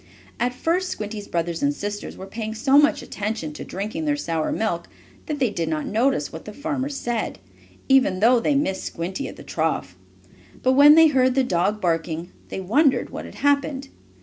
At first Squinty's brothers and sisters were paying so much attention to drinking their sour milk, that they did not notice what the farmer said, even though they missed Squinty at the trough. But when they heard the dog barking, they wondered what had happened.